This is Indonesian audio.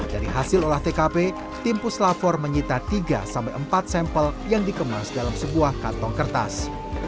dari hasil olah tkp tim puslapor menyita tiga empat sampel yang dikemas dalam sebuah kantong kertas